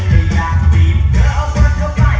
ไม่อยากกินเธอเอาเบิร์นเข้าไป